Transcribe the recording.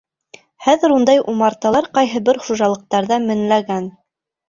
Хәҙер ундай умарталар ҡайһы бер хужалыҡтарҙа меңләгән.